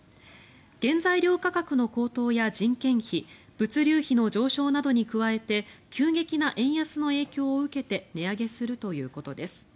原材料価格の高騰や人件費物流費の上昇などに加えて急激な円安の影響を受けて値上げするということです。